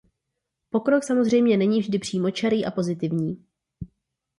Pokrok samozřejmě není vždy přímočarý a pozitivní.